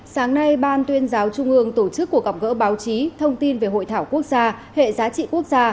sáng nay ban tuyên giáo trung ương tổ chức cuộc gặp gỡ báo chí thông tin về hội thảo quốc gia hệ giá trị quốc gia